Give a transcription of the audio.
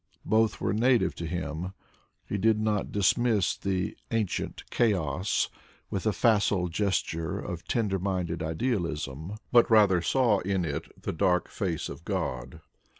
Both were' native to him. He did not dismiss the " ancient chaos " with the facile gesture of tender minded idealism, but rather saw in it the dark face of God.